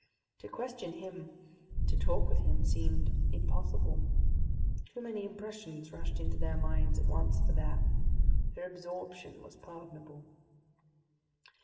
To question him, to talk with him seemed impossible. Too many impressions rushed into their minds at once for that. Their absorption was pardonable.